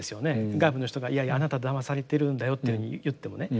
外部の人があなただまされてるんだよというふうに言ってもね。